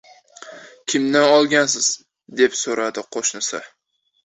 Kimdan olgansiz? – deb soʻradi qoʻshnisi.